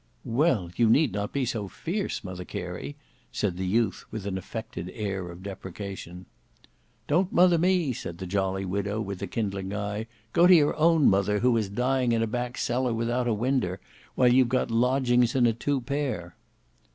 "Well, you need not be so fierce, Mother Carey," said the youth with an affected air of deprecation. "Don't mother me," said the jolly widow with a kindling eye; "go to your own mother, who is dying in a back cellar without a winder, while you've got lodgings in a two pair."